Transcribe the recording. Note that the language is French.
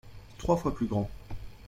trois fois plus grand.